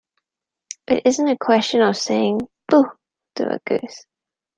It isn't a question of saying 'boo' to a goose.